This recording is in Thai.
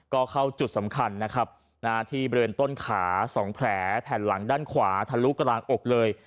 ก็เข้าจุดสำคัญนะครับที่บริเวณต้นขา๒แผลแผ่นหลังด้านขวาทะลุกลางอกเลย